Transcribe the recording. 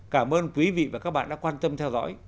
cảm ơn quý vị và các bạn đã quan tâm theo dõi